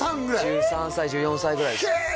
１３歳１４歳ぐらいですへえ